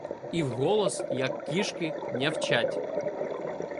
І вголос, як кішки, нявчать.